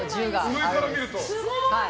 上から見ると。